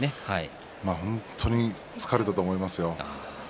本当に疲れたと思いますよ。